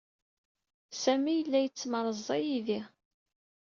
Sami yella yettmerẓa yi-id-i.